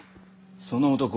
その男